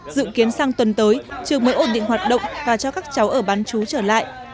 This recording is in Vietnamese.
dự kiến sang tuần tới trường mới ổn định hoạt động và cho các cháu ở bán chú trở lại